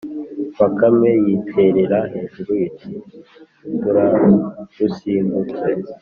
bakame yiterera hejuru iti: “turarusimbutse.”